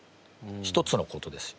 １つのことですよ。